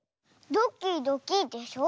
ドキドキでしょ。